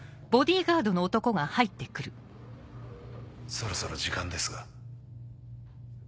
そろそろ時間ですが。